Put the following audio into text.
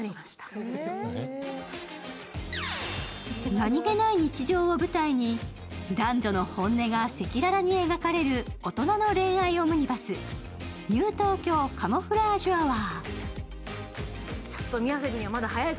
何気ない日常を舞台に男女の本音が赤裸々に描かれる大人の恋愛オムニバス「ニュートーキョーカモフラージュアワー」。